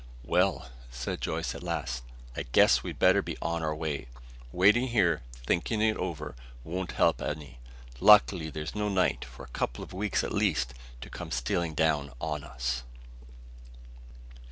"Well," said Joyce at last. "I guess we'd better be on our way. Waiting here, thinking it over, won't help any. Lucky there's no night, for a couple of weeks at least, to come stealing down on us."